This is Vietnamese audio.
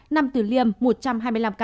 năm từ liêm một trăm hai mươi năm ca